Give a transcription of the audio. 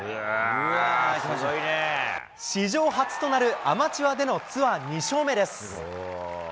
史上初となるアマチュアでのツアー２勝目です。